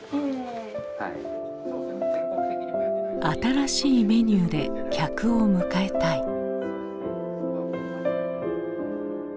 新しいメニューで客を迎えたい。